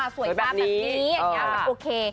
สวยตามแบบนี้อยากจะแบบโอเค